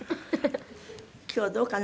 今日どうかな？